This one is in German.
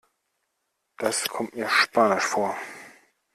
Das kommt mir spanisch vor.